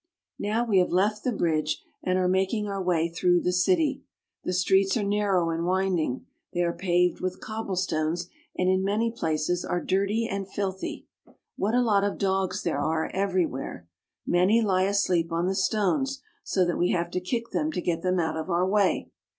Now we have left the bridge and are making our way through the city. The streets are narrow and winding. They are paved with cobblestones, and in many places are dirty and filthy. What a lot of dogs there are everywhere ; many lie asleep on the stones so that we have to kick them to get them out of our way.